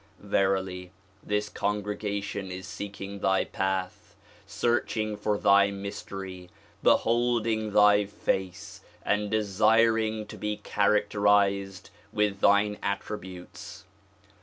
Verily this congregation is seeking thy path, search ing for thy mystery, beholding thy face and desiring to be char acterized with thine attributes.